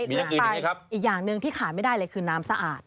ไปอีกอย่างหนึ่งที่ขายไม่ได้เลยคือน้ำสะอาด